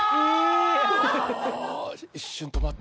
△一瞬止まった。